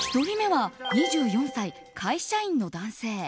１人目は２４歳、会社員の男性。